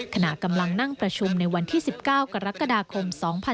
ขณะกำลังนั่งประชุมในวันที่๑๙กรกฎาคม๒๕๖๒